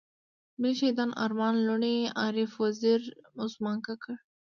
ملي شهيدان ارمان لوڼی، عارف وزير، عثمان کاکړ.